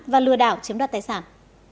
và lừa đảo chiếm đoạt tài sản